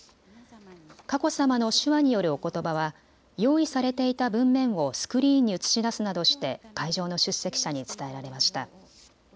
佳子さまの手話によるおことばは用意されていた文面をスクリーンに映し出すなどして会場の出席者に伝えられました。